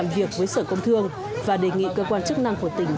xem xét và đề nghị cơ quan chức năng của tỉnh